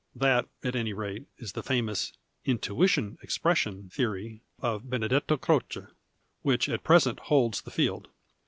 That, at any rate, is the famous " intuition expression " theory of Benedetto Croce, which at present holds the field.